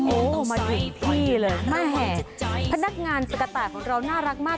โอ้โหมาถึงที่เลยแม่พนักงานตุ๊กตาของเราน่ารักมาก